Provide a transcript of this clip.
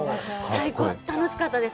太鼓、楽しかったです。